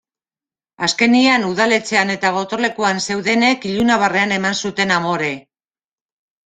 Azkenean, udaletxean eta gotorlekuan zeudenek ilunabarrean eman zuten amore.